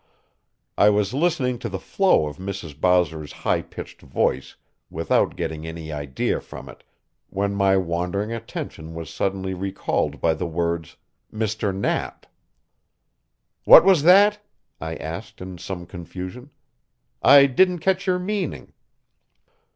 I was listening to the flow of Mrs. Bowser's high pitched voice without getting any idea from it, when my wandering attention was suddenly recalled by the words, "Mr. Knapp." "What was that?" I asked in some confusion. "I didn't catch your meaning."